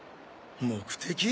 目的？